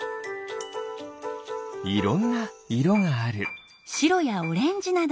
いろんないろがある。